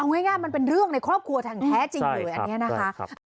เอาง่ายมันเป็นเรื่องเป็นครอบครัวแทนแท้จริงเลย